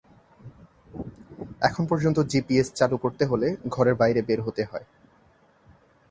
এখন পর্যন্ত জিপিএস চালু করতে হলে ঘরের বাইরে বের হতে হয়।